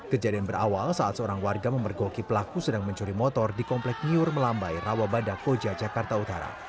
kejadian berawal saat seorang warga memergoki pelaku sedang mencuri motor di komplek nyur melambai rawabada koja jakarta utara